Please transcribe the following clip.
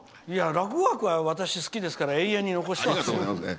落語枠は私、好きですから永遠に残したいです。